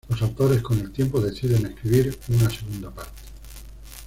Los autores, con el tiempo, deciden escribir una segunda parte.